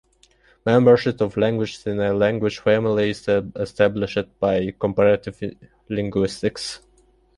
Membership of languages in a language family is established by comparative linguistics.